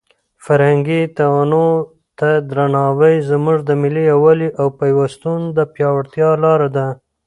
فرهنګي تنوع ته درناوی زموږ د ملي یووالي او پیوستون د پیاوړتیا لاره ده.